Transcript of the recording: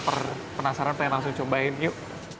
penasaran pengen langsung cobain yuk